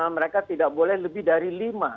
mereka tidak boleh lebih dari lima